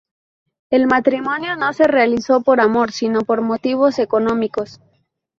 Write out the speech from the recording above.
El matrimonio no se realizó por amor sino por motivos económicos.